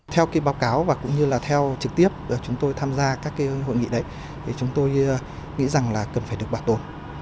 theo báo cáo và cũng như là theo trực tiếp chúng tôi tham gia các cái hội nghị đấy chúng tôi nghĩ rằng là cần phải được bảo tồn